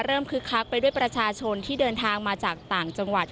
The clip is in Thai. คึกคักไปด้วยประชาชนที่เดินทางมาจากต่างจังหวัด